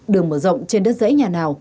đường mở rộng trên đất dãy nhà nào